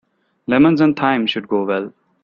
Lemons and thyme should go well.